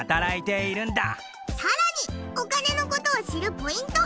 さらにお金のことを知るポイント。